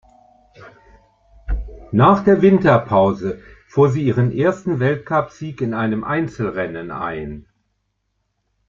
Nach der Winterpause fuhr sie ihren ersten Weltcupsieg in einem Einzelrennen ein.